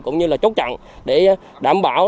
cũng như là chống chặn để đảm bảo